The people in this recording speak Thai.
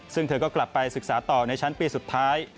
ซึ่งเธอก็กลับไปศึกษาต่อในชั้นปีสุดท้าย